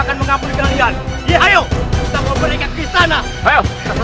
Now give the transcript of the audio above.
aku sangat senang memiliki kalian semua